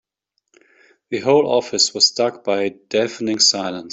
The whole office was struck by a deafening silence.